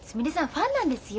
ファンなんですよ。